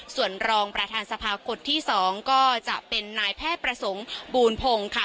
ส่วนรองประธานสภาคนที่๒ก็จะเป็นนายแพทย์ประสงค์บูรพงศ์ค่ะ